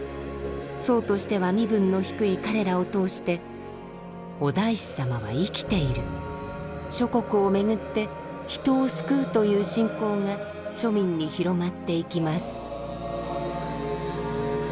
僧としては身分の低い彼らを通してお大師様は生きている諸国を巡って人を救うという信仰が庶民に広まっていきます。